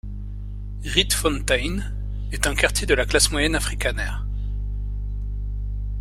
Rietfontein est un quartier de la classe moyenne afrikaner.